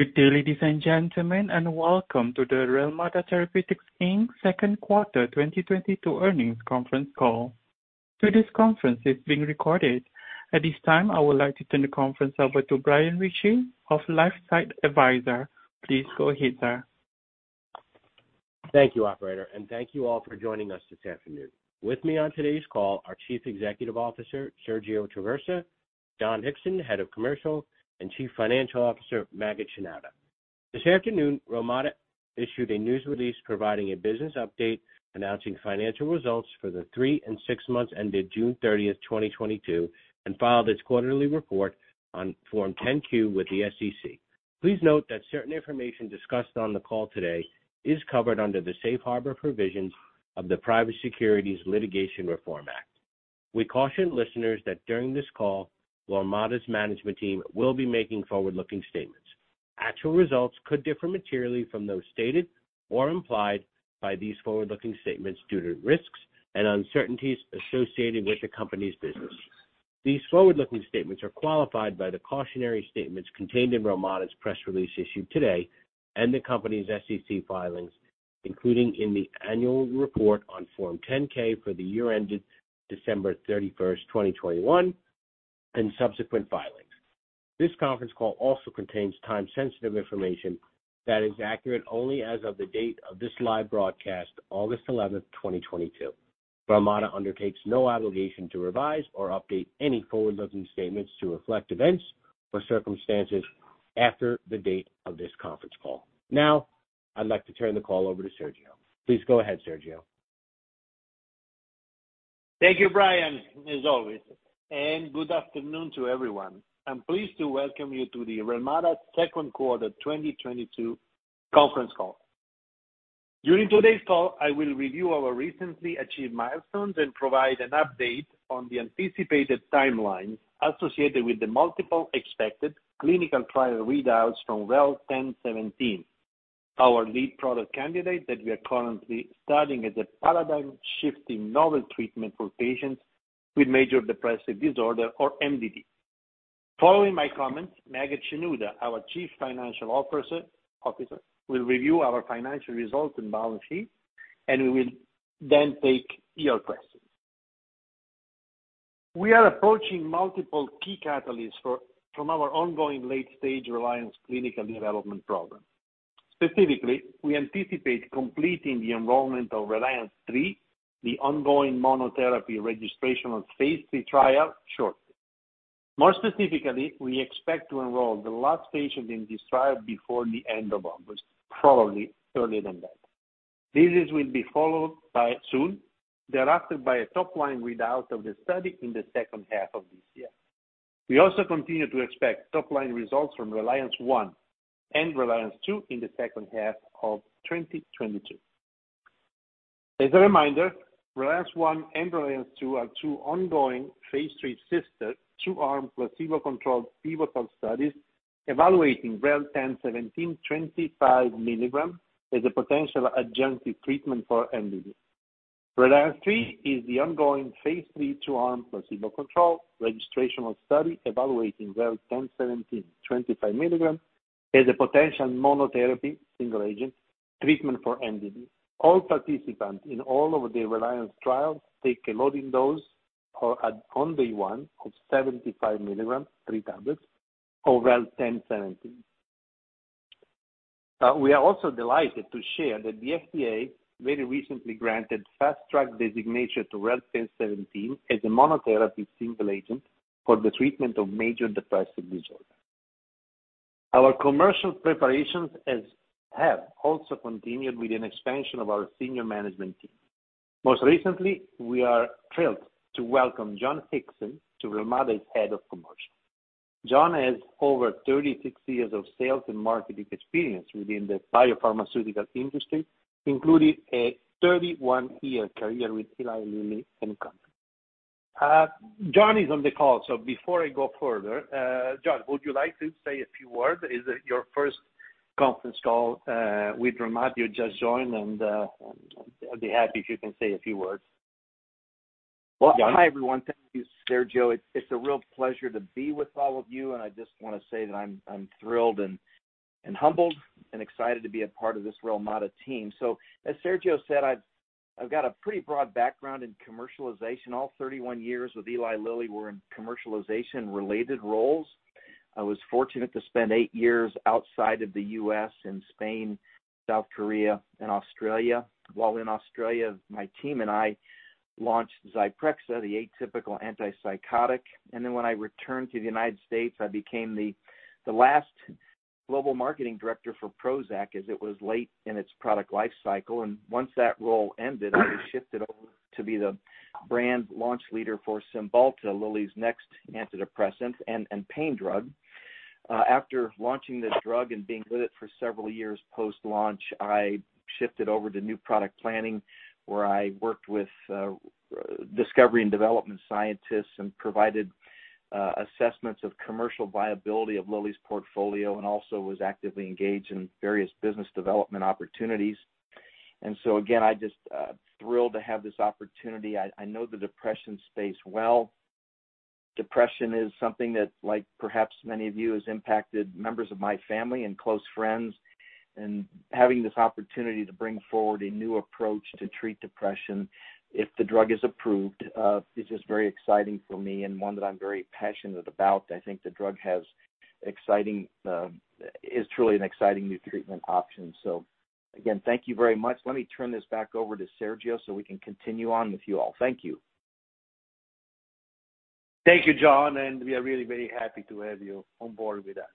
Good day, ladies and gentlemen, and welcome to the Relmada Therapeutics, Inc.'s second quarter 2022 earnings conference call. Today's conference is being recorded. At this time, I would like to turn the conference over to Brian Ritchie of LifeSci Advisors. Please go ahead, sir. Thank you, operator, and thank you all for joining us this afternoon. With me on today's call, our Chief Executive Officer, Sergio Traversa, John Hixon, Head of Commercial, and Chief Financial Officer, Maged Shenouda. This afternoon, Relmada issued a news release providing a business update announcing financial results for the three and six months ended June 30, 2022, and filed its quarterly report on Form 10-Q with the SEC. Please note that certain information discussed on the call today is covered under the safe harbor provisions of the Private Securities Litigation Reform Act. We caution listeners that during this call, Relmada's management team will be making forward-looking statements. Actual results could differ materially from those stated or implied by these forward-looking statements due to risks and uncertainties associated with the company's business. These forward-looking statements are qualified by the cautionary statements contained in Relmada's press release issued today and the company's SEC filings, including in the annual report on Form 10-K for the year ended December 31, 2021, and subsequent filings. This conference call also contains time-sensitive information that is accurate only as of the date of this live broadcast, August 11, 2022. Relmada undertakes no obligation to revise or update any forward-looking statements to reflect events or circumstances after the date of this conference call. Now, I'd like to turn the call over to Sergio. Please go ahead, Sergio. Thank you, Brian, as always, and good afternoon to everyone. I'm pleased to welcome you to the Relmada second quarter 2022 conference call. During today's call, I will review our recently achieved milestones and provide an update on the anticipated timelines associated with the multiple expected clinical trial readouts from REL-1017, our lead product candidate that we are currently studying as a paradigm-shifting novel treatment for patients with major depressive disorder or MDD. Following my comments, Maged Shenouda, our Chief Financial Officer, will review our financial results and balance sheet, and we will then take your questions. We are approaching multiple key catalysts from our ongoing late-stage Reliance clinical development program. Specifically, we anticipate completing the enrollment of Reliance III, the ongoing monotherapy registrational phase III trial shortly. More specifically, we expect to enroll the last patient in this trial before the end of August, probably earlier than that. Visits will be followed soon thereafter by a top-line readout of the study in the second half of this year. We also continue to expect top-line results from Reliance I and Reliance II in the second half of 2022. As a reminder, Reliance I and Reliance II are two ongoing phase III sister two-arm placebo-controlled pivotal studies evaluating REL-1017 25 mg as a potential adjunctive treatment for MDD. Reliance III is the ongoing phase III two-arm placebo-controlled registrational study evaluating REL-1017 25 mg as a potential monotherapy single-agent treatment for MDD. All participants in all of the Reliance trials take a loading dose of 75 mg on day one, three tablets of REL-1017. We are also delighted to share that the FDA very recently granted Fast Track designation to REL-1017 as a monotherapy single agent for the treatment of major depressive disorder. Our commercial preparations have also continued with an expansion of our senior management team. Most recently, we are thrilled to welcome John Hixon to Relmada's head of commercial. John has over 36 years of sales and marketing experience within the biopharmaceutical industry, including a 31-year career with Eli Lilly and Company. John is on the call, so before I go further, John, would you like to say a few words? Is it your first conference call with Relmada? You just joined and, I'd be happy if you can say a few words. John. Well, hi, everyone. Thank you, Sergio. It's a real pleasure to be with all of you, and I just want to say that I'm thrilled and humbled and excited to be a part of this Relmada team. As Sergio said, I've got a pretty broad background in commercialization. All 31 years with Eli Lilly were in commercialization related roles. I was fortunate to spend eight years outside of the U.S. in Spain, South Korea, and Australia. While in Australia, my team and I launched Zyprexa, the atypical antipsychotic. Then when I returned to the United States, I became the last global marketing director for Prozac as it was late in its product life cycle. Once that role ended, I shifted over to be the brand launch leader for Cymbalta, Lilly's next antidepressant and pain drug. After launching this drug and being with it for several years post-launch, I shifted over to new product planning, where I worked with discovery and development scientists and provided assessments of commercial viability of Lilly's portfolio and also was actively engaged in various business development opportunities. Again, I just thrilled to have this opportunity. I know the depression space well. Depression is something that, like perhaps many of you, has impacted members of my family and close friends. Having this opportunity to bring forward a new approach to treat depression if the drug is approved is just very exciting for me and one that I'm very passionate about. I think the drug is truly an exciting new treatment option. Again, thank you very much. Let me turn this back over to Sergio so we can continue on with you all. Thank you. Thank you, John, and we are really very happy to have you on board with us.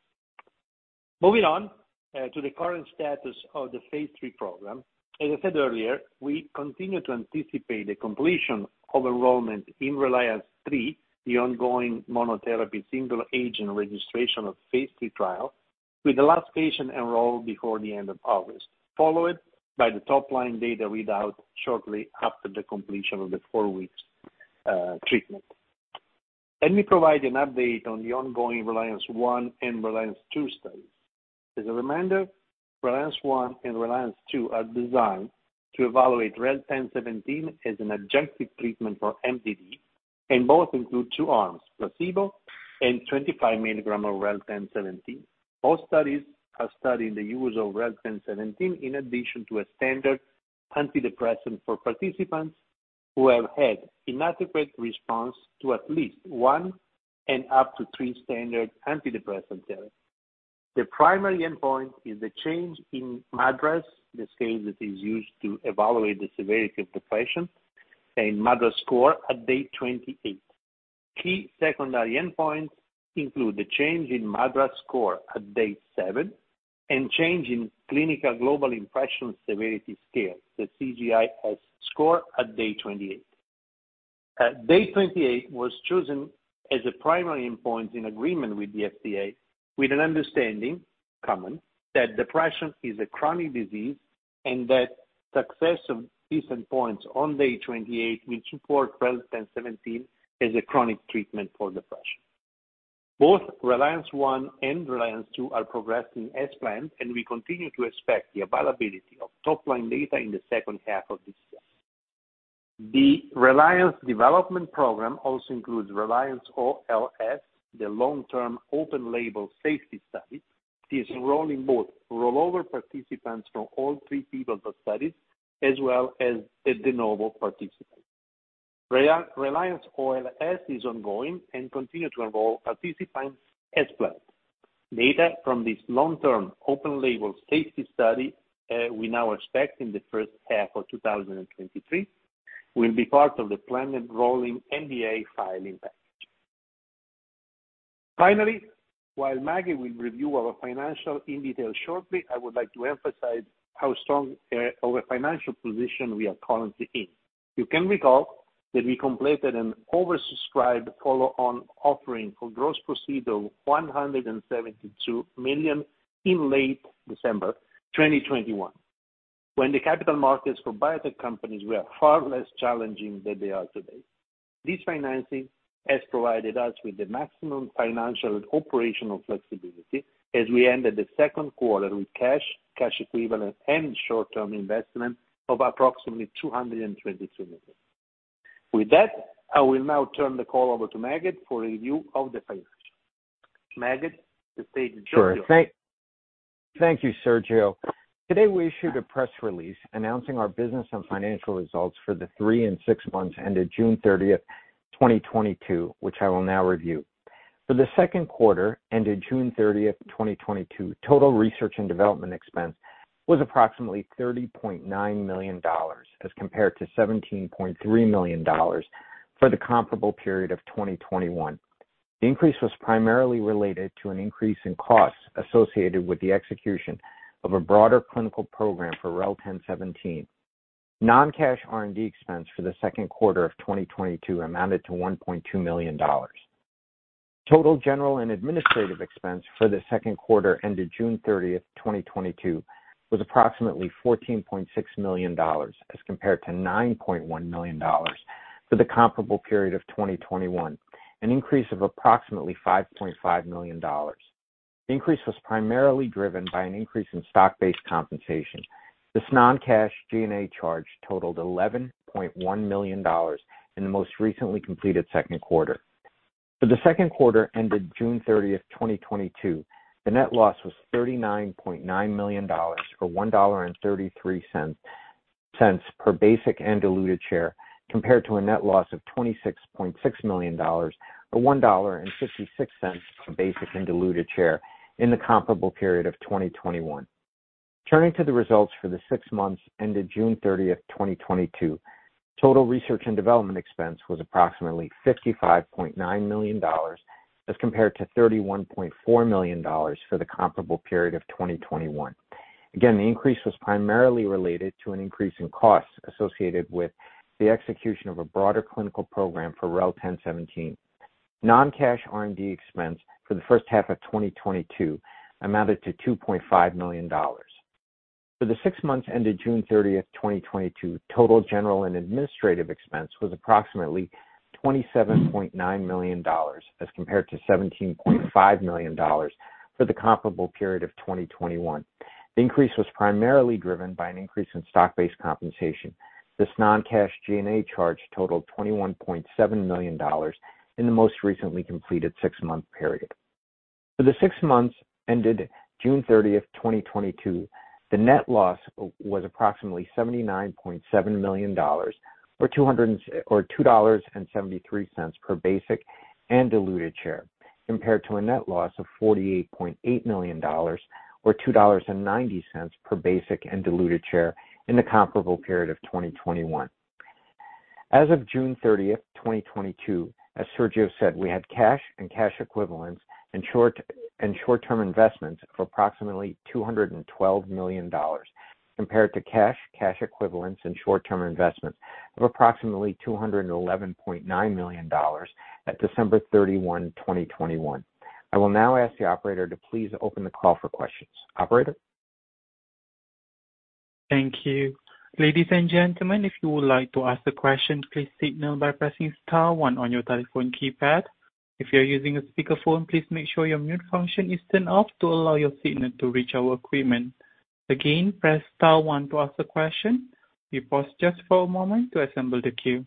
Moving on to the current status of the phase III program. As I said earlier, we continue to anticipate the completion of enrollment in Reliance III, the ongoing monotherapy single-agent registration of phase III trial, with the last patient enrolled before the end of August, followed by the top-line data readout shortly after the completion of the four-week treatment. Let me provide an update on the ongoing Reliance I and Reliance II studies. As a reminder, Reliance I and Reliance II are designed to evaluate REL-1017 as an adjunctive treatment for MDD, and both include two arms, placebo and 25 mg of REL-1017. Both studies are studying the use of REL-1017 in addition to a standard antidepressant for participants who have had inadequate response to at least one and up to three standard antidepressant therapies. The primary endpoint is the change in MADRS, the scale that is used to evaluate the severity of depression, and MADRS score at day 28. Key secondary endpoints include the change in MADRS score at day seven and change in Clinical Global Impression Severity scale, the CGI-S score at day 28. Day 28 was chosen as a primary endpoint in agreement with the FDA, with a common understanding that depression is a chronic disease and that success of descent points on day 28 will support REL-1017 as a chronic treatment for depression. Both Reliance I and Reliance II are progressing as planned, and we continue to expect the availability of top-line data in the second half of this year. The Reliance development program also includes Reliance OLS, the long-term open label safety study, is enrolling both rollover participants from all three pivotal studies as well as de novo participants. Reliance OLS is ongoing and continue to enroll participants as planned. Data from this long-term open label safety study, we now expect in the first half of 2023 will be part of the planned rolling NDA filing package. Finally, while Maged will review our financials in detail shortly, I would like to emphasize how strong our financial position we are currently in. You can recall that we completed an oversubscribed follow-on offering for gross proceeds of $172 million in late December 2021, when the capital markets for biotech companies were far less challenging than they are today. This financing has provided us with the maximum financial and operational flexibility as we ended the second quarter with cash equivalents and short-term investments of approximately $222 million. With that, I will now turn the call over to Maged for review of the financials. Maged, the stage is yours. Sure. Thank you, Sergio. Today, we issued a press release announcing our business and financial results for the three and six months ended June 30, 2022, which I will now review. For the second quarter ended June 30, 2022, total research and development expense was approximately $30.9 million as compared to $17.3 million for the comparable period of 2021. The increase was primarily related to an increase in costs associated with the execution of a broader clinical program for REL-1017. Non-cash R&D expense for the second quarter of 2022 amounted to $1.2 million. Total general and administrative expense for the second quarter ended June 30, 2022, was approximately $14.6 million, as compared to $9.1 million for the comparable period of 2021, an increase of approximately $5.5 million. The increase was primarily driven by an increase in stock-based compensation. This non-cash G&A charge totaled $11.1 million in the most recently completed second quarter. For the second quarter ended June 30, 2022, the net loss was $39.9 million, or $1.33 per basic and diluted share, compared to a net loss of $26.6 million, or $1.56 per basic and diluted share in the comparable period of 2021. Turning to the results for the six months ended June 30, 2022. Total research and development expense was approximately $55.9 million as compared to $31.4 million for the comparable period of 2021. Again, the increase was primarily related to an increase in costs associated with the execution of a broader clinical program for REL-1017. Non-cash R&D expense for the first half of 2022 amounted to $2.5 million. For the six months ended June 30th, 2022, total general and administrative expense was approximately $27.9 million as compared to $17.5 million for the comparable period of 2021. The increase was primarily driven by an increase in stock-based compensation. This non-cash G&A charge totaled $21.7 million in the most recently completed six-month period. For the six months ended June 30, 2022, the net loss was approximately $79.7 million or $2.73 per basic and diluted share, compared to a net loss of $48.8 million or $2.90 per basic and diluted share in the comparable period of 2021. As of June 30, 2022, as Sergio said, we had cash and cash equivalents and short-term investments of approximately $212 million, compared to cash equivalents and short-term investments of approximately $211.9 million at December 31, 2021. I will now ask the operator to please open the call for questions. Operator? Thank you. Ladies and gentlemen, if you would like to ask a question, please signal by pressing star one on your telephone keypad. If you're using a speakerphone, please make sure your mute function is turned off to allow your signal to reach our equipment. Again, press star one to ask a question. We pause just for a moment to assemble the queue.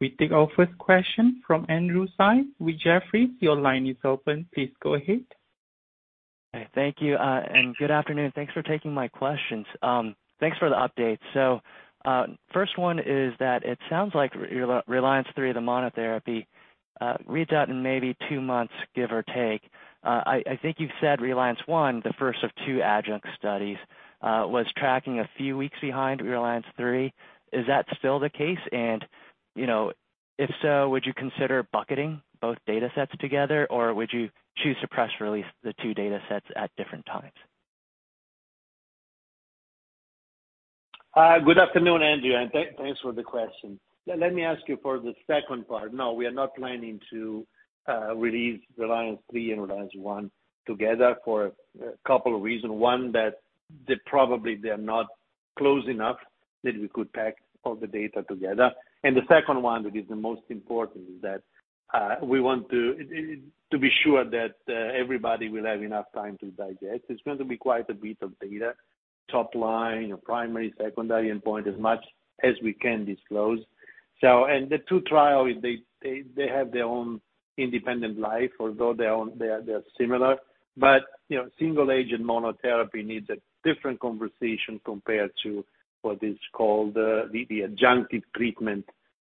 We take our first question from Andrew Tsai with Jefferies. Your line is open. Please go ahead. Thank you and good afternoon. Thanks for taking my questions. Thanks for the update. First one is that it sounds like Reliance III, the monotherapy, reads out in maybe two months, give or take. I think you said Reliance I, the first of two adjunct studies, was tracking a few weeks behind Reliance III. Is that still the case? You know, if so, would you consider bucketing both data sets together, or would you choose to press release the two data sets at different times? Good afternoon, Andrew, and thanks for the question. Let me address the second part. No, we are not planning to release Reliance III and Reliance I together for a couple of reasons. One, they probably are not close enough that we could pack all the data together. The second one, that is the most important, is that we want to be sure that everybody will have enough time to digest. It's going to be quite a bit of data, top line, primary, secondary endpoint as much as we can disclose. The two trials, they have their own independent life although they are similar. But you know, single agent monotherapy needs a different conversation compared to what is called the adjunctive treatment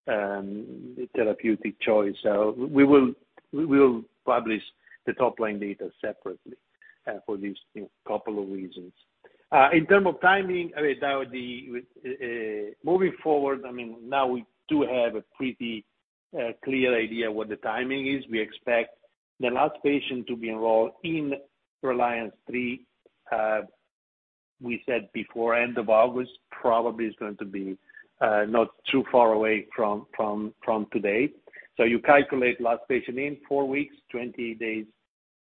therapeutic choice. We will publish the top-line data separately for these, you know, couple of reasons. In terms of timing, I mean, moving forward, I mean, now we do have a pretty clear idea what the timing is. We expect the last patient to be enrolled in Reliance III, we said before end of August, probably is going to be not too far away from today. You calculate last patient in four weeks, 20 days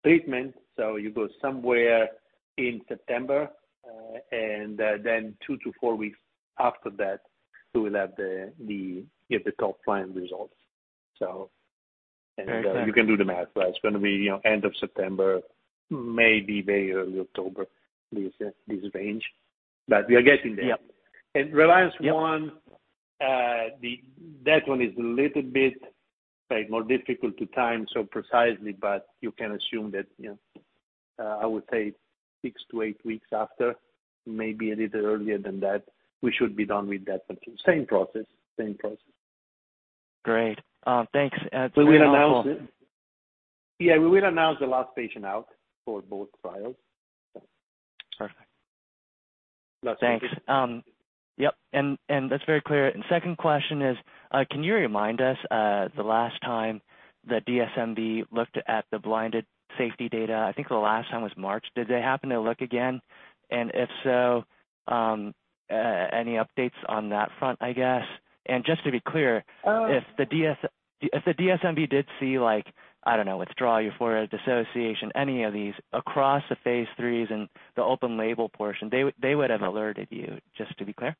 treatment, so you go somewhere in September, and then two to four weeks after that, we will have the, you know, the top-line results. Very thanks. You can do the math, right? It's gonna be, you know, end of September, maybe very early October, this range. We are getting there. Yeah. Reliance I. Yeah. That one is a little bit, say, more difficult to time so precisely, but you can assume that, you know, I would say six to eight weeks after, maybe a little earlier than that, we should be done with that. Same process. Great. Thanks. Two more- We will announce it. Yeah, we will announce the last patient out for both trials. Perfect. Last- Thanks. Yep, and that's very clear. Second question is, can you remind us the last time the DSMB looked at the blinded safety data? I think the last time was March. Did they happen to look again? If so, any updates on that front, I guess? Just to be clear, if the DSMB did see like, I don't know, withdrawal, euphoria, dissociation, any of these across the phase IIIs and the open label portion, they would have alerted you, just to be clear?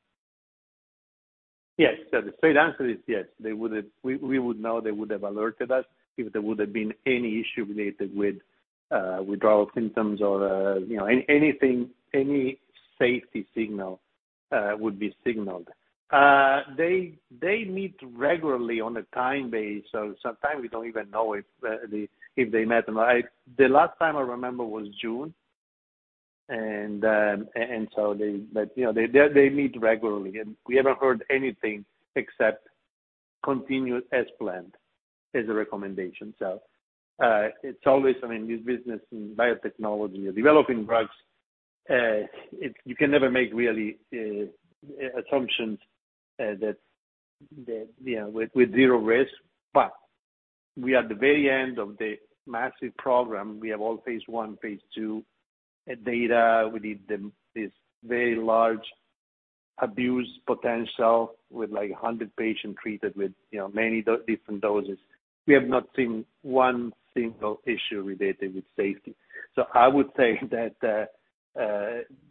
Yes. The straight answer is yes. We would know they would have alerted us if there would have been any issue related with withdrawal symptoms or you know, anything, any safety signal would be signaled. They meet regularly on a time base, so sometimes we don't even know if they met them. The last time I remember was June. You know, they meet regularly, and we haven't heard anything except continue as planned as a recommendation. It's always, I mean, this business in biotechnology, you're developing drugs, it's you can never make really assumptions that you know, with zero risk. We are at the very end of the massive program. We have all phase I, phase II data. We did this very large abuse potential with like 100 patients treated with you know many different doses. We have not seen one single issue related with safety. I would say that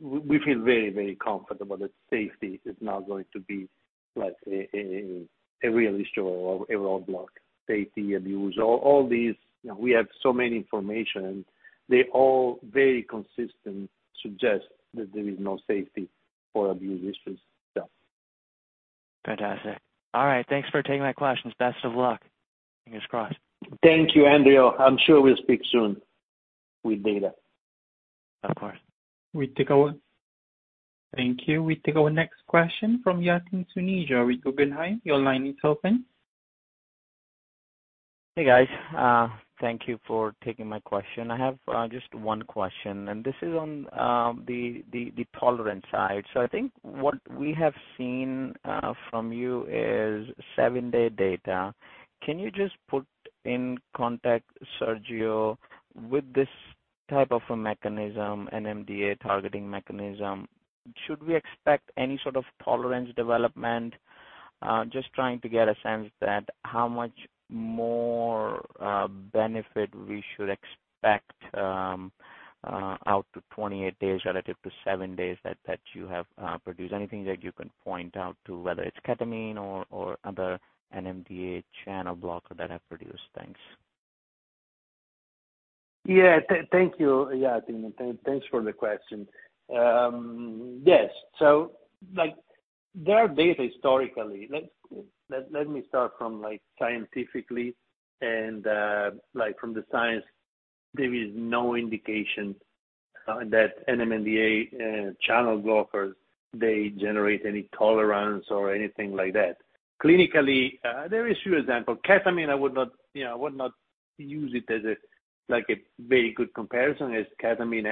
we feel very very confident about the safety is not going to be like a real issue or a roadblock. Safety abuse all these you know we have so many information. They all very consistent suggest that there is no safety or abuse issues. Fantastic. All right, thanks for taking my questions. Best of luck. Fingers crossed. Thank you, Andrew. I'm sure we'll speak soon with data. Of course. Thank you. We take our next question from Yatin Suneja with Guggenheim. Your line is open. Hey, guys. Thank you for taking my question. I have just one question, and this is on the tolerance side. I think what we have seen from you is seven-day data. Can you just put in context, Sergio, with this type of a mechanism, NMDA targeting mechanism, should we expect any sort of tolerance development? Just trying to get a sense that how much more benefit we should expect out to 28 days relative to seven days that you have produced. Anything that you can point out to, whether it's ketamine or other NMDA channel blocker that have produced. Thanks. Yeah. Thank you, Yatin. Thanks for the question. Yes. Like, there are data historically. Let me start from, like, scientifically and, like, from the science, there is no indication that NMDA channel blockers generate any tolerance or anything like that. Clinically, there are a few examples. Ketamine, I would not, you know, I would not use it as a, like, very good comparison as ketamine,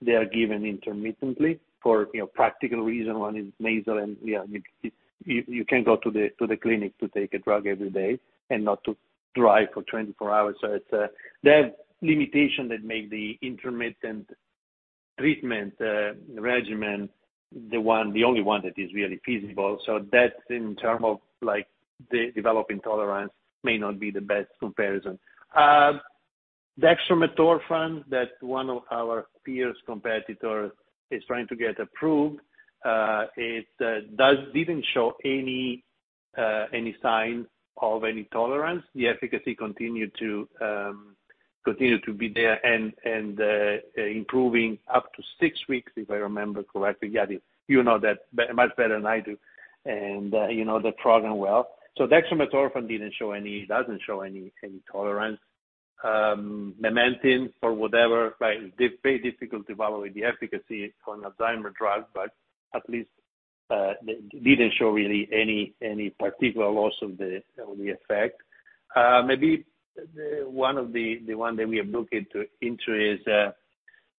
they are given intermittently for, you know, practical reasons. One is nasal and, you know, it, you can't go to the clinic to take a drug every day and not to drive for 24 hours. It's, they have limitations that make the intermittent treatment regimen the only one that is really feasible. That's in terms of, like, the developing tolerance may not be the best comparison. Dextromethorphan, that one of our peer competitors is trying to get approved, it didn't show any sign of any tolerance. The efficacy continued to be there and improving up to six weeks, if I remember correctly. Yatin, you know that much better than I do. You know the program well. Dextromethorphan didn't show any, doesn't show any tolerance. Memantine for whatever, right, they're very difficult to evaluate the efficacy for an Alzheimer's drug, but at least they didn't show really any particular loss of the effect. Maybe one of the ones that we are looking into is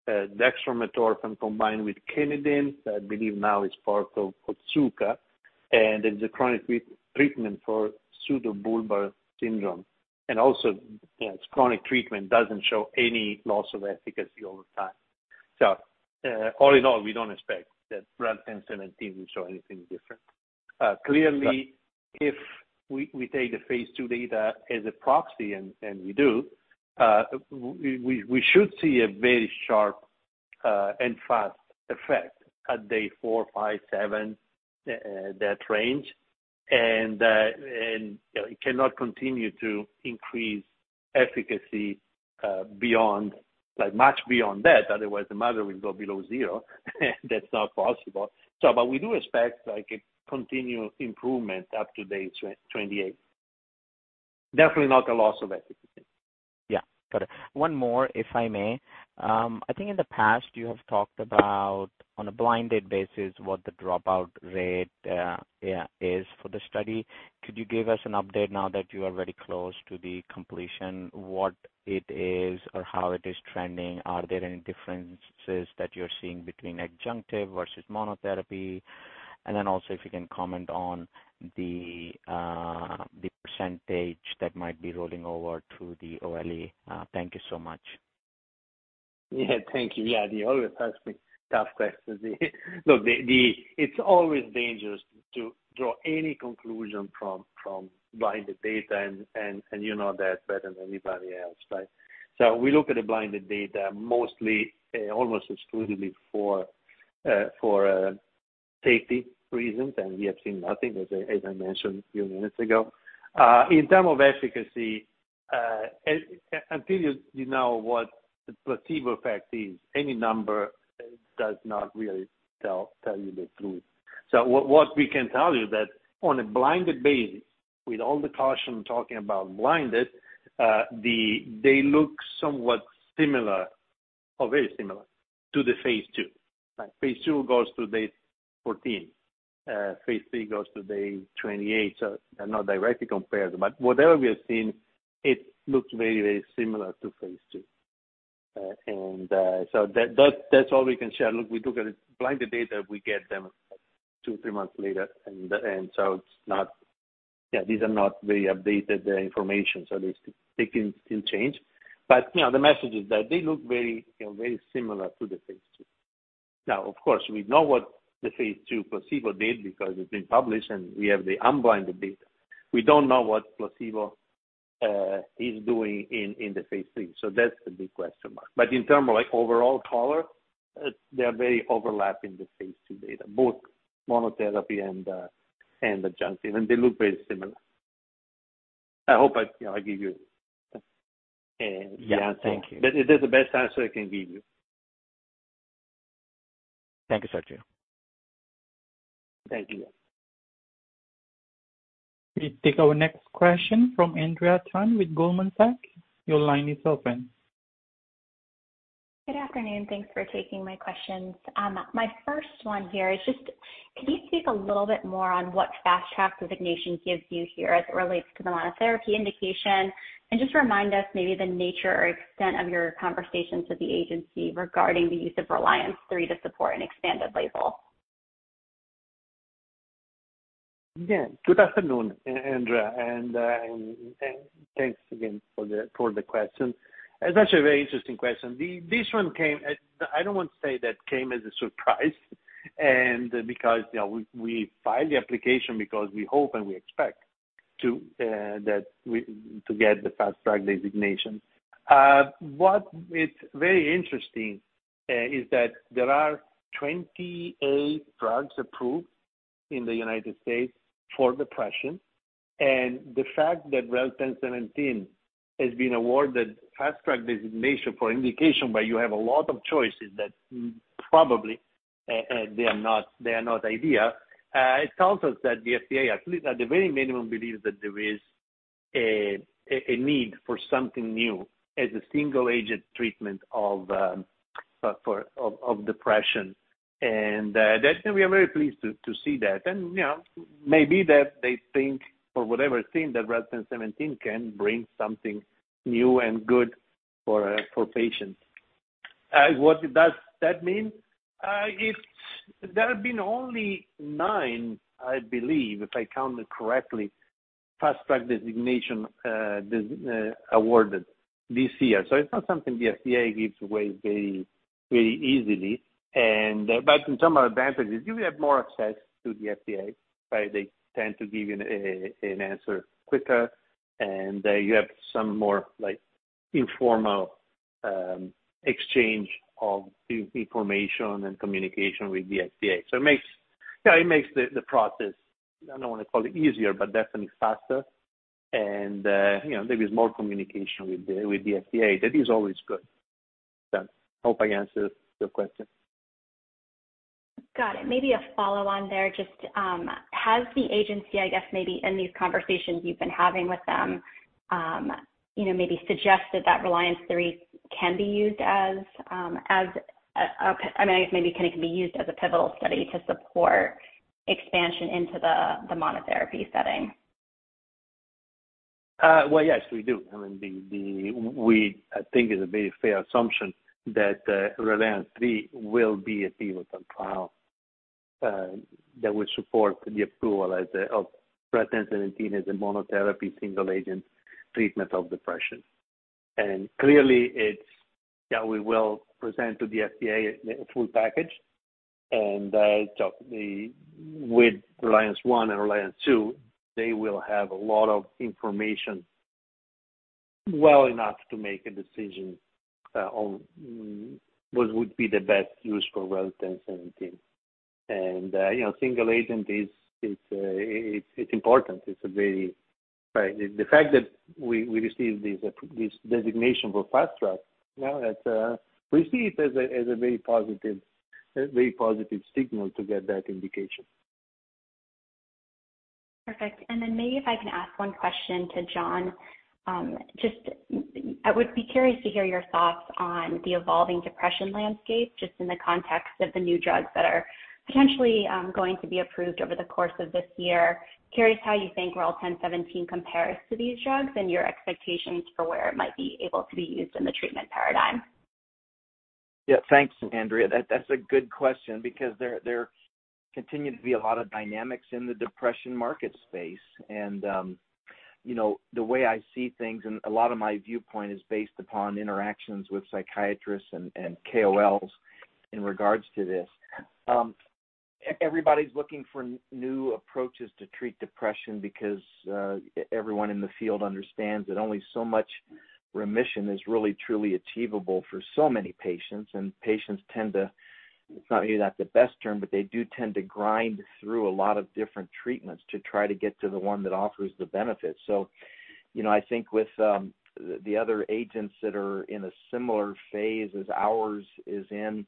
dextromethorphan combined with quinidine. I believe now it's part of Otsuka, and it's a chronic treatment for pseudobulbar affect. Also, you know, it's chronic treatment doesn't show any loss of efficacy over time. All in all, we don't expect that drug REL-1017 will show anything different. Clearly, if we take the phase II data as a proxy, and we do, we should see a very sharp and fast effect at day four, five, seven, that range. And, you know, it cannot continue to increase efficacy beyond, like, much beyond that. Otherwise, the model will go below zero, and that's not possible. But we do expect, like, a continued improvement up to day 28. Definitely not a loss of efficacy. Yeah. Got it. One more, if I may. I think in the past you have talked about, on a blinded basis, what the dropout rate is for the study. Could you give us an update now that you are very close to the completion, what it is or how it is trending? Are there any differences that you're seeing between adjunctive versus monotherapy? And then also if you can comment on the percentage that might be rolling over to the OLE. Thank you so much. Yeah. Thank you. Yatin, you always ask me tough questions. Look, it's always dangerous to draw any conclusion from blinded data and you know that better than anybody else, right? We look at the blinded data mostly, almost exclusively for safety reasons, and we have seen nothing, as I mentioned a few minutes ago. In terms of efficacy, until you know what the placebo effect is, any number does not really tell you the truth. What we can tell you that on a blinded basis, with all the caution talking about blinded, they look somewhat similar or very similar to the phase II, right? phase II goes to day 14. phase III goes to day 28. They're not directly compared. Whatever we have seen, it looks very, very similar to phase II. That's all we can share. Look, we look at it, blinded data we get them two to three months later, and so it's not very updated information. Yeah, these are not very updated information, so they still can change. You know, the message is that they look very, you know, very similar to phase II. Of course, we know what the phase II placebo did because it's been published and we have the unblinded data. We don't know what placebo is doing in the phase III. That's the big question mark. In terms of like overall color, they are very overlapping the phase II data, both monotherapy and adjunctive, and they look very similar. I hope I, you know, I give you an answer. Yeah. Thank you. That's the best answer I can give you. Thank you, Sergio. Thank you. We take our next question from Andrea Tan with Goldman Sachs. Your line is open. Good afternoon. Thanks for taking my questions. My first one here is just, can you speak a little bit more on what Fast Track designation gives you here as it relates to the monotherapy indication? Just remind us maybe the nature or extent of your conversations with the agency regarding the use of Reliance III to support an expanded label. Yeah. Good afternoon, Andrea, and thanks again for the question. It's actually a very interesting question. This one came. I don't want to say that came as a surprise because we filed the application because we hope and we expect to get the Fast Track designation. What's very interesting is that there are 28 drugs approved in the United States for depression. The fact that REL-1017 has been awarded Fast Track designation for indication, but you have a lot of choices that probably they are not ideal. It tells us that the FDA, at least at the very minimum, believes that there is a need for something new as a single agent treatment of depression. That we are very pleased to see that. You know, maybe that they think or whatever that REL-1017 can bring something new and good for patients. What does that mean? There have been only nine, I believe, if I counted correctly, Fast Track designations awarded this year. It's not something the FDA gives away very easily. But it has some advantages, you have more access to the FDA, right? They tend to give you an answer quicker, and you have some more, like, informal exchange of information and communication with the FDA. It makes, you know, the process, I don't wanna call it easier, but definitely faster. You know, there is more communication with the FDA. That is always good. Hope I answered your question. Got it. Maybe a follow on there. Just has the agency, I guess, maybe in these conversations you've been having with them, you know, maybe suggested that Reliance III can be used as, I mean, maybe can it be used as a pivotal study to support expansion into the monotherapy setting? Well, yes, we do. I mean, I think it is a very fair assumption that Reliance III will be a pivotal trial that will support the approval of REL-1017 as a monotherapy single agent treatment of depression. Clearly it's, yeah, we will present to the FDA a full package and talk with Reliance I and Reliance II, they will have a lot of information well enough to make a decision on what would be the best use for REL-1017. You know, single agent is important. It's very right. The fact that we received this designation for Fast Track, you know, that we see it as a very positive signal to get that indication. Perfect. Then maybe if I can ask one question to John. Just, I would be curious to hear your thoughts on the evolving depression landscape, just in the context of the new drugs that are potentially going to be approved over the course of this year. Curious how you think REL-1017 compares to these drugs and your expectations for where it might be able to be used in the treatment paradigm. Yeah. Thanks, Andrea. That's a good question because there continue to be a lot of dynamics in the depression market space. You know, the way I see things and a lot of my viewpoint is based upon interactions with psychiatrists and KOLs in regards to this. Everybody's looking for new approaches to treat depression because everyone in the field understands that only so much remission is really truly achievable for so many patients. Patients tend to, it's not really the best term, but they do tend to grind through a lot of different treatments to try to get to the one that offers the benefit. You know, I think with the other agents that are in a similar phase as ours is in,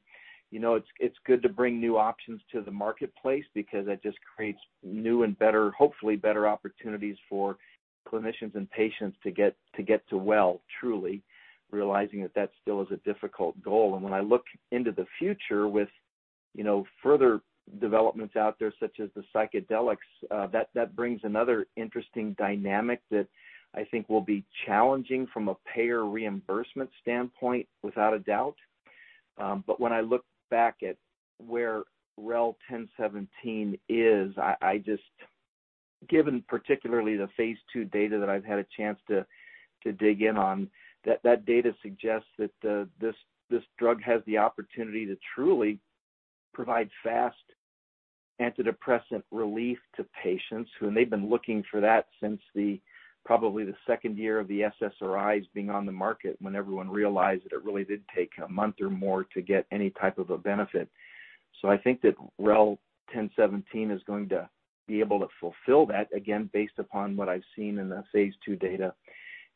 you know, it's good to bring new options to the marketplace because that just creates new and better, hopefully better opportunities for clinicians and patients to get to well, truly realizing that that still is a difficult goal. When I look into the future with you know, further developments out there, such as the psychedelics, that brings another interesting dynamic that I think will be challenging from a payer reimbursement standpoint, without a doubt. When I look back at where REL-1017 is, I just. Given particularly the phase II data that I've had a chance to dig in on, that data suggests that this drug has the opportunity to truly provide fast antidepressant relief to patients, and they've been looking for that since probably the second year of the SSRIs being on the market when everyone realized that it really did take a month or more to get any type of a benefit. I think that REL-1017 is going to be able to fulfill that, again, based upon what I've seen in the phase II data.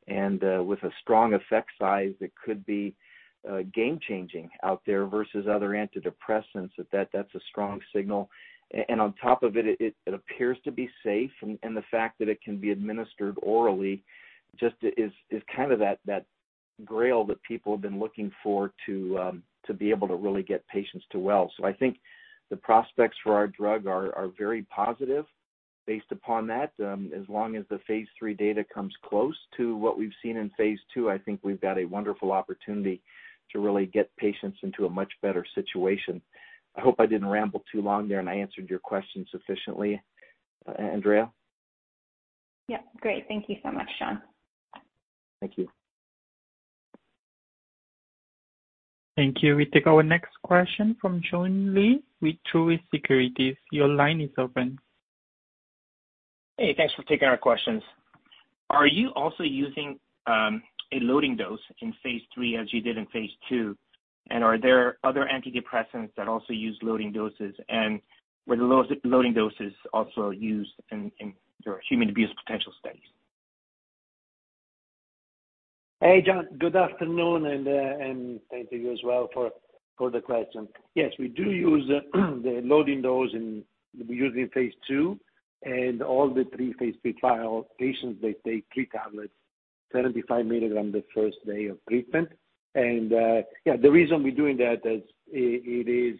With a strong effect size, it could be game-changing out there versus other antidepressants. If that's a strong signal. On top of it appears to be safe. The fact that it can be administered orally just is kind of that grail that people have been looking for to be able to really get patients to well. I think the prospects for our drug are very positive based upon that. As long as the phase III data comes close to what we've seen in phase II, I think we've got a wonderful opportunity to really get patients into a much better situation. I hope I didn't ramble too long there, and I answered your question sufficiently, Andrea. Yeah. Great. Thank you so much, John. Thank you. Thank you. We take our next question from Joon Lee with Truist Securities. Your line is open. Hey, thanks for taking our questions. Are you also using a loading dose in phase III as you did in phase II? Are there other antidepressants that also use loading doses? Were the loading doses also used in your human abuse potential studies? Hey, Joon. Good afternoon, and thanks to you as well for the question. Yes, we do use the loading dose. We used it in phase II and all three phase III trials. Patients take three tablets, 75 mg the first day of treatment. Yeah, the reason we're doing that is it is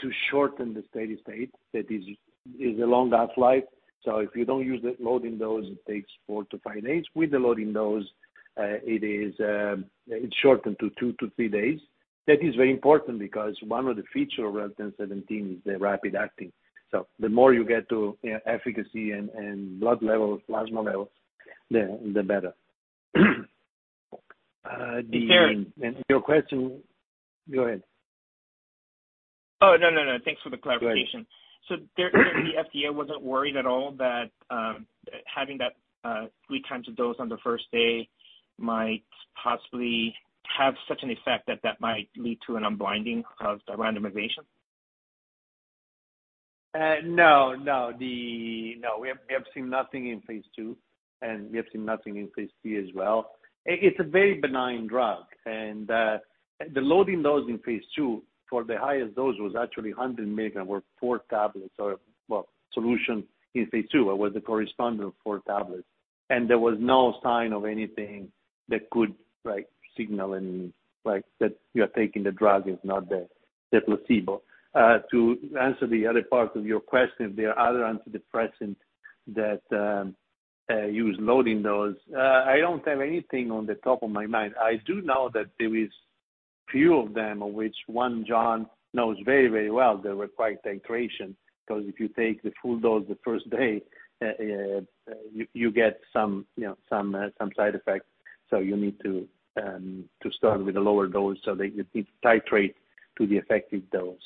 to shorten the steady state. It is a long half-life. If you don't use the loading dose, it takes four to five days. With the loading dose, it's shortened to two to three days. That is very important because one of the features of REL-1017 is the rapid acting. The sooner you get to efficacy and blood levels, plasma levels, the better. Is there? Your question. Go ahead. Oh, no, no. Thanks for the clarification. Go ahead. There, the FDA wasn't worried at all that, having that, three times a dose on the first day might possibly have such an effect that might lead to an unblinding of the randomization? No, no. No, we have seen nothing in phase II, and we have seen nothing in phase III as well. It's a very benign drug, and the loading dose in phase II for the highest dose was actually 100 mg or four tablets or, well, solution in phase II. It was a corresponding of four tablets. There was no sign of anything that could, like, signal any, like, that you're taking the drug is not the placebo. To answer the other part of your question, there are other antidepressants that use loading dose. I don't have anything on the top of my mind. I do know that there is few of them, of which one John knows very, very well. They require titration, because if you take the full dose the first day, you get some, you know, some side effects. You need to start with a lower dose so that you need to titrate to the effective dose.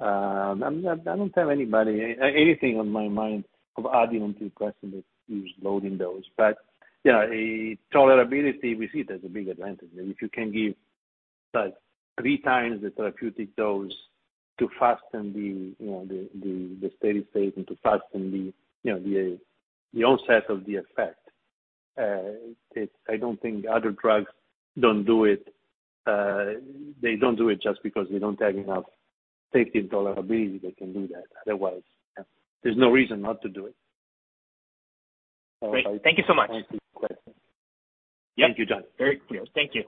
I don't have anything on my mind of adding onto your question that use loading dose. You know, tolerability, we see it as a big advantage. If you can give, like, three times the therapeutic dose to hasten the, you know, the steady state and to hasten the, you know, the onset of the effect, I don't think other drugs don't do it. They don't do it just because they don't have enough safety and tolerability. They can do that. Otherwise, yeah, there's no reason not to do it. Great. Thank you so much. Thank you for the question. Yep. Thank you, Joon. Very clear. Thank you.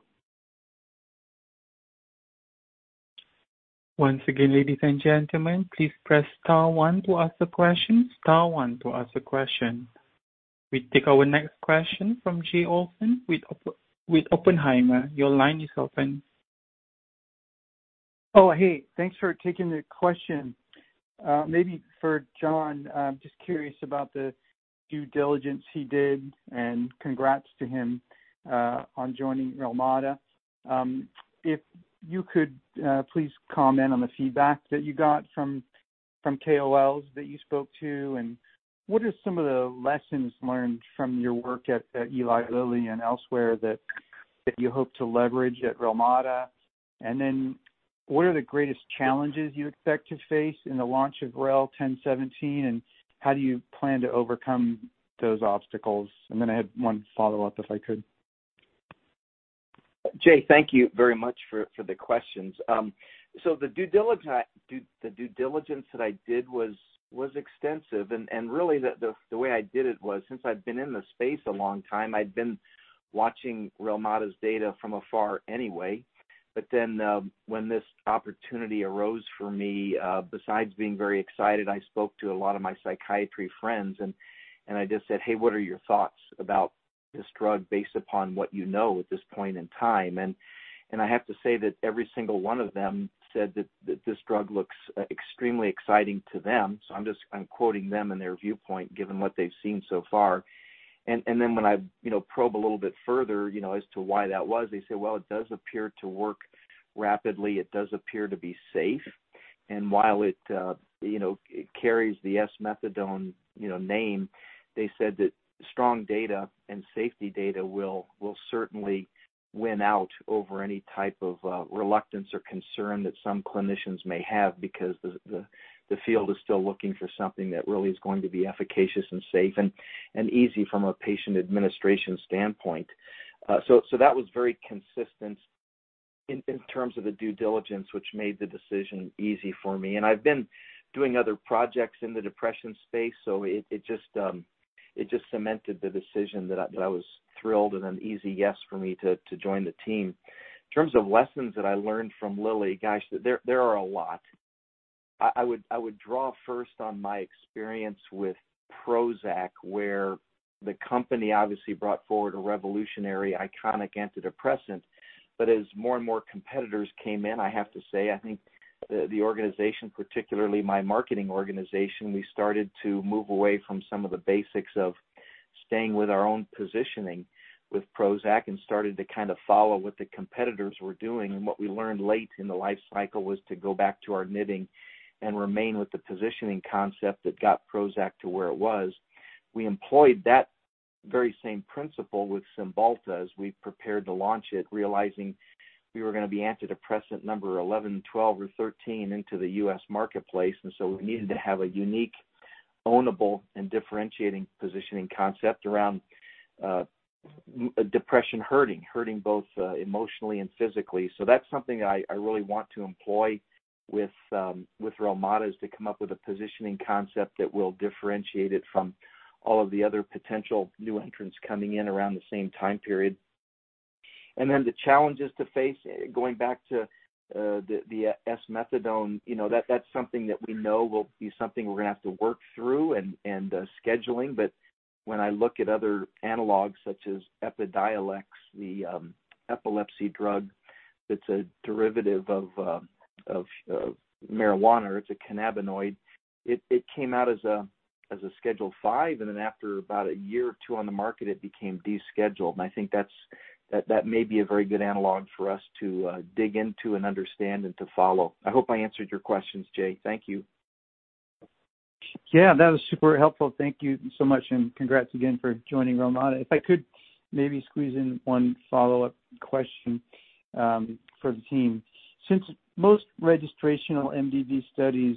Once again, ladies and gentlemen, please press star one to ask a question. Star one to ask a question. We take our next question from Jay Olson with Oppenheimer. Your line is open. Oh, hey, thanks for taking the question. Maybe for John, I'm just curious about the due diligence he did, and congrats to him on joining Relmada. If you could please comment on the feedback that you got from KOLs that you spoke to, and what are some of the lessons learned from your work at Eli Lilly and elsewhere that you hope to leverage at Relmada? What are the greatest challenges you expect to face in the launch of REL-1017, and how do you plan to overcome those obstacles? I have one follow-up, if I could. Jay, thank you very much for the questions. The due diligence that I did was extensive. Really the way I did it was since I've been in the space a long time, I'd been watching Relmada's data from afar anyway. When this opportunity arose for me, besides being very excited, I spoke to a lot of my psychiatry friends and I just said, "Hey, what are your thoughts about this drug based upon what you know at this point in time?" I have to say that every single one of them said that this drug looks extremely exciting to them. I'm quoting them and their viewpoint given what they've seen so far. Then when I, you know, probe a little bit further, you know, as to why that was, they say, "Well, it does appear to work rapidly. It does appear to be safe." While it, you know, carries the esmethadone name, you know, they said that strong data and safety data will certainly win out over any type of reluctance or concern that some clinicians may have because the field is still looking for something that really is going to be efficacious and safe and easy from a patient administration standpoint. So that was very consistent in terms of the due diligence, which made the decision easy for me. I've been doing other projects in the depression space, so it just cemented the decision that I was thrilled, and an easy yes for me to join the team. In terms of lessons that I learned from Lilly, gosh, there are a lot. I would draw first on my experience with Prozac, where the company obviously brought forward a revolutionary, iconic antidepressant. As more and more competitors came in, I have to say, I think the organization, particularly my marketing organization, we started to move away from some of the basics of staying with our own positioning with Prozac and started to kind of follow what the competitors were doing. What we learned late in the life cycle was to go back to our knitting and remain with the positioning concept that got Prozac to where it was. We employed that very same principle with Cymbalta as we prepared to launch it, realizing we were gonna be antidepressant number 11, 12, or 13 into the U.S. marketplace. We needed to have a unique own-able and differentiating positioning concept around depression hurting. Hurting both emotionally and physically. That's something I really want to employ with Relmada, is to come up with a positioning concept that will differentiate it from all of the other potential new entrants coming in around the same time period. The challenges to face, going back to the esmethadone, you know, that's something that we know will be something we're gonna have to work through and scheduling. When I look at other analogs such as Epidiolex, the epilepsy drug that's a derivative of marijuana, it's a cannabinoid, it came out as a Schedule V, and then after about a year or two on the market, it became descheduled. I think that may be a very good analog for us to dig into and understand and to follow. I hope I answered your questions, Jay. Thank you. Yeah. That was super helpful. Thank you so much, and congrats again for joining Relmada. If I could maybe squeeze in one follow-up question for the team. Since most registrational MDD studies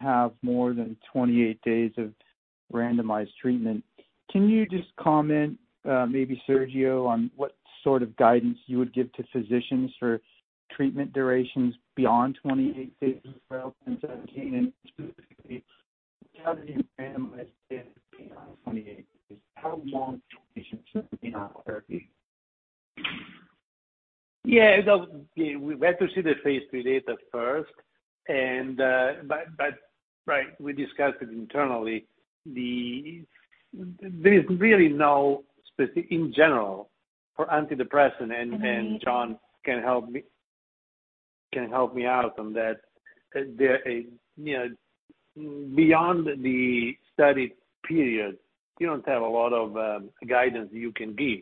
have more than 28 days of randomized treatment, can you just comment, maybe Sergio, on what sort of guidance you would give to physicians for treatment durations beyond 28 days of REL-1017 and specifically how do you analyze data beyond 28 days? How long should a patient be on therapy? Yeah. No. We have to see the phase III data first and, but right, we discussed it internally. There is really no specific in general for antidepressant and John can help me out on that. There, you know, beyond the study period, you don't have a lot of guidance you can give.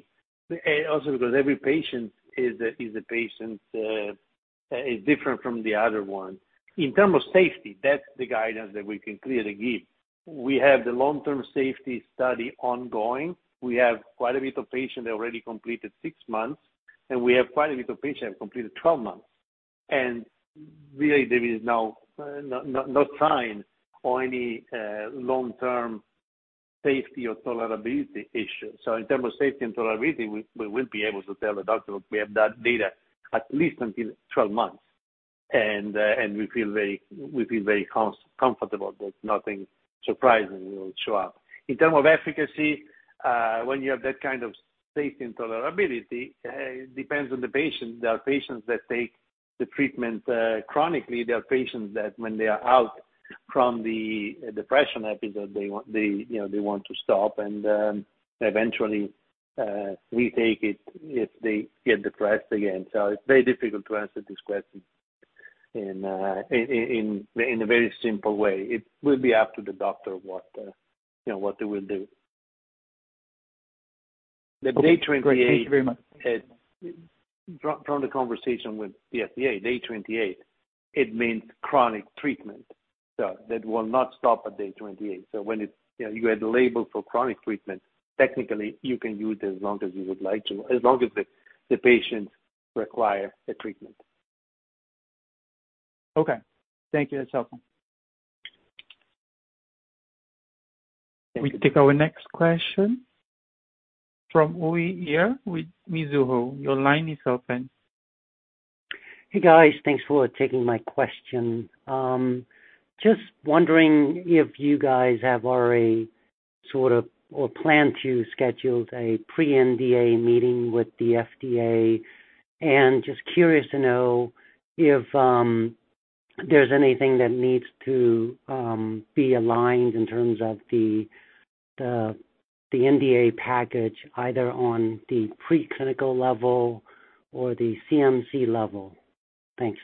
Also because every patient is a patient is different from the other one. In terms of safety, that's the guidance that we can clearly give. We have the long-term safety study ongoing. We have quite a bit of patients already completed six months, and we have quite a bit of patients completed 12 months. Really there is no sign for any long-term safety or tolerability issues. In terms of safety and tolerability, we will be able to tell the doctor we have that data at least until 12 months. We feel very comfortable that nothing surprising will show up. In terms of efficacy, when you have that kind of safety and tolerability, it depends on the patient. There are patients that take the treatment chronically. There are patients that when they are out from the depression episode, they want, you know, to stop and eventually retake it if they get depressed again. It's very difficult to answer this question in a very simple way. It will be up to the doctor what, you know, they will do. Okay. The day 28. Great. Thank you very much. From the conversation with the FDA, day 28, it means chronic treatment. That will not stop at day 28. When it's, you know, you had the label for chronic treatment, technically you can use it as long as you would like to, as long as the patient require the treatment. Okay. Thank you. That's helpful. Thank you. We take our next question from Uy Ear with Mizuho. Your line is open. Hey, guys. Thanks for taking my question. Just wondering if you guys have already sort of or plan to schedule a pre-NDA meeting with the FDA. Just curious to know if there's anything that needs to be aligned in terms of the NDA package, either on the preclinical level or the CMC level. Thanks.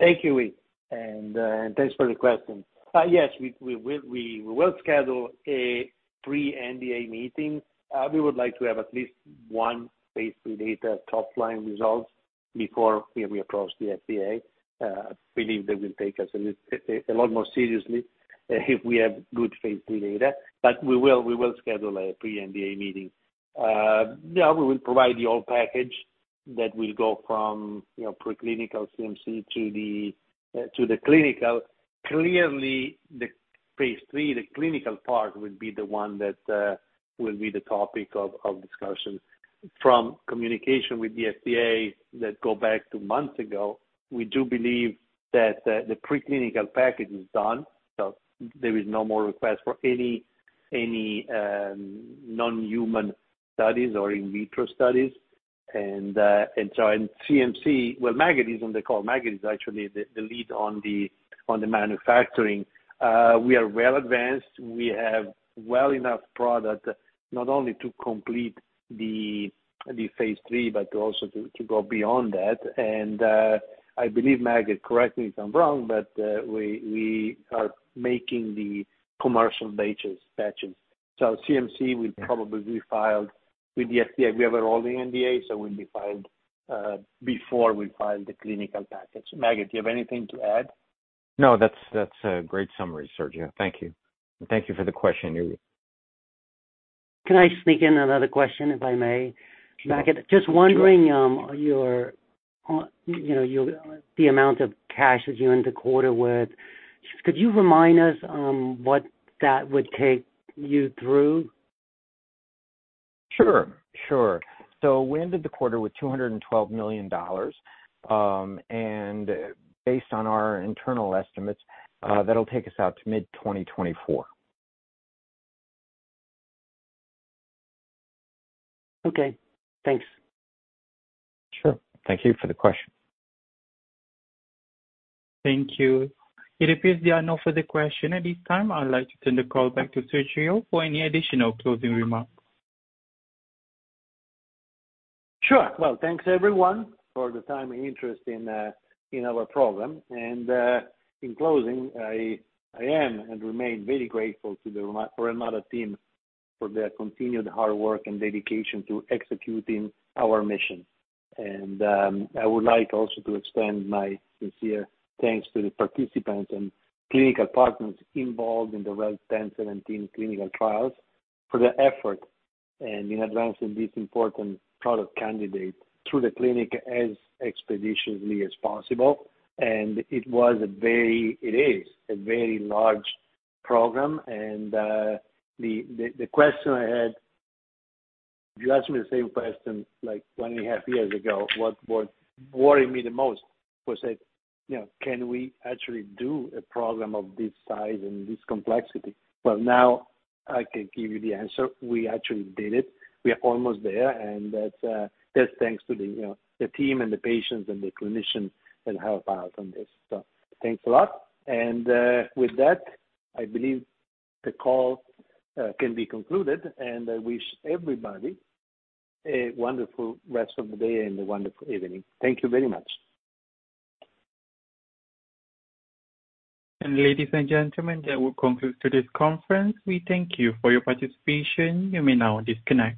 Thank you, Uy. Thanks for the question. Yes, we will schedule a pre-NDA meeting. We would like to have at least one phase III data top-line results before we approach the FDA. I believe they will take us a lot more seriously if we have good phase III data. We will schedule a pre-NDA meeting. Yeah, we will provide the full package that will go from, you know, preclinical CMC to the clinical. Clearly, the phase III, the clinical part will be the one that will be the topic of discussion. From communication with the FDA that go back to months ago, we do believe that the preclinical package is done, so there is no more request for any non-human studies or in vitro studies. In CMC. Well, Maged is on the call. Maged is actually the lead on the manufacturing. We are well advanced. We have well enough product not only to complete the phase III, but also to go beyond that. I believe, Maged, correct me if I'm wrong, but we are making the commercial batches. So CMC will probably be filed with the FDA. We have it all in NDA, so we'll be filed before we file the clinical package. Maged, do you have anything to add? No, that's a great summary, Sergio. Thank you. Thank you for the question. Can I sneak in another question, if I may, Maged? Sure. Just wondering, the amount of cash that you end the quarter with. Could you remind us what that would take you through? Sure. We ended the quarter with $212 million. Based on our internal estimates, that'll take us out to mid-2024. Okay, thanks. Sure. Thank you for the question. Thank you. It appears there are no further questions at this time. I'd like to turn the call back to Sergio for any additional closing remarks. Sure. Well, thanks everyone for the time and interest in our program. In closing, I am and remain very grateful to the Relmada team for their continued hard work and dedication to executing our mission. I would like also to extend my sincere thanks to the participants and clinical partners involved in the REL-1017 clinical trials for their effort in advancing this important product candidate through the clinic as expeditiously as possible. It is a very large program. The question I had, if you asked me the same question like 1.5 years ago, what was worrying me the most was that, you know, can we actually do a program of this size and this complexity? Well, now I can give you the answer. We actually did it. We are almost there, and that's thanks to the, you know, the team and the patients and the clinicians that help out on this. Thanks a lot. With that, I believe the call can be concluded. I wish everybody a wonderful rest of the day and a wonderful evening. Thank you very much. Ladies and gentlemen, that will conclude today's conference. We thank you for your participation. You may now disconnect.